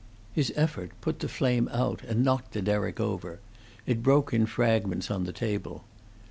His effort put the flame out and knocked the derrick over; it broke in fragments on the table.